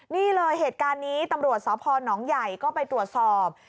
นี่เลยเหตุการณ์นี้ตำรวจสพนใหญ่ก็ไปตรวจสอบ